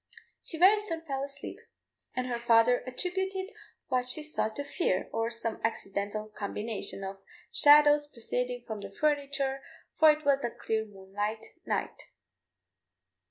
She very soon fell asleep, and her father attributed what she saw to fear, or some accidental combination of shadows proceeding from the furniture, for it was a clear moonlight night.